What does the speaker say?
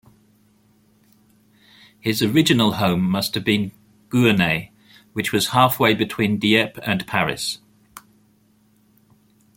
His original home must have been Gournay, which was half-way between Dieppe and Paris.